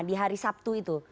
di hari sabtu itu